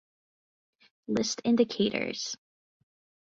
List indicator(s)